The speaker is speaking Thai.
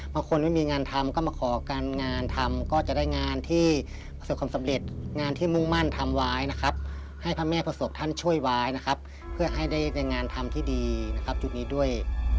ไม่มีคนไม่มีงานทำก็มาขอการงานทำก็จะได้งานที่ประสบความสำเร็จงานที่มุ่งมั่นทำไว้นะครับให้พระแม่ประสบท่านช่วยไว้นะครับเพื่อให้ได้ในงานทำที่ดีนะครับจุดนี้ด้วย